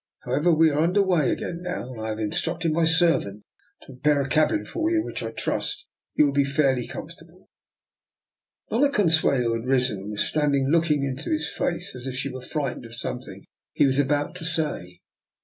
However, we are under way again now, and I have in structed my servant to prepare a cabin for you, in which I trust you will be fairly com fortable." Doiia Consuelo had risen, and was stand DR. NIKOLA'S EXPERIMENT. 149 ing looking into his face as if she were fright ened of something he was about to say.